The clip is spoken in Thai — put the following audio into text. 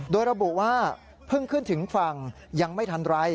โดยระบุว่าเพิ่งขึ้นถึงฝั่งยังไม่ทันไร